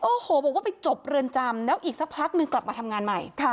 โอ้โหบอกว่าไปจบเรือนจำแล้วอีกสักพักนึงกลับมาทำงานใหม่